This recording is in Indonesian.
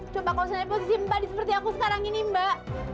coba kau senen posisi badi seperti aku sekarang ini mbak